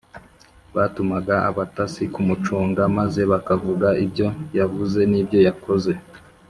batumaga abatasi kumucunga maze bakavuga ibyo yavuze n’ibyo yakoze